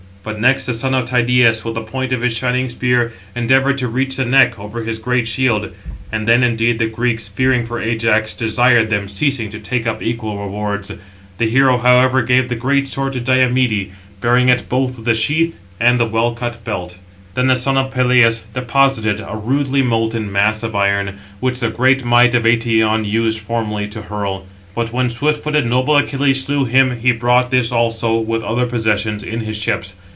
But next the son of Tydeus, with the point of his shining spear, endeavoured to reach the neck, over his great shield. And then, indeed, the Greeks, fearing for Ajax, desired them, ceasing, to take up equal rewards. The hero, however, gave the great sword to Diomede, bearing it both with the sheath and the well cut belt. Then the son of Peleus deposited a rudely molten mass of iron, which the great might of Eëtion used formerly to hurl. But when swift footed, noble Achilles slew him, he brought this also, with other possessions, in his ships.